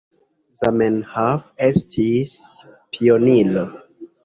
Zamenhof estis pioniro.